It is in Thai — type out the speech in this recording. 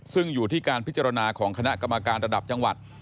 ซึ่งอยู่ที่การพิจารณาของคณะกรรมการระดับจังหวัด